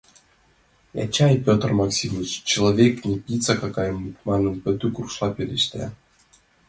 Я, чай, Петр Максимыч, человек, а не птица какая-нибудь, — манын, Пӧтук рушла пелешта.